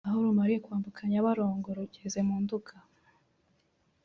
Aho rumariye kwambuka Nyabarongo rugeze mu Nduga